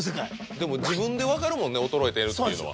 でも自分で分かるもんね衰えてるっていうのは。